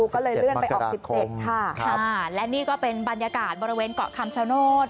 ก็เลยเลื่อนไปออก๑๗ค่ะและนี่ก็เป็นบรรยากาศบริเวณเกาะคำชโนธ